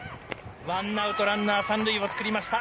ワンアウトランナー３塁を作りました。